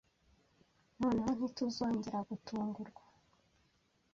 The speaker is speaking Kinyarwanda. Noneho ntituzongera gutungurwa